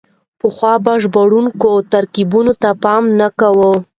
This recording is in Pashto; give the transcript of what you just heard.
پخوا به ژباړونکو ترکيبونو ته پام نه کاوه.